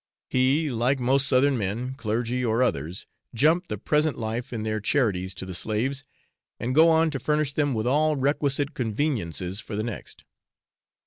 He, like most Southern men, clergy or others, jump the present life in their charities to the slaves, and go on to furnish them with all requisite conveniences for the next.